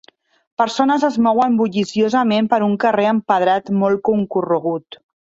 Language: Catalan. Persones es mouen bulliciosament per un carrer empedrat molt concorregut.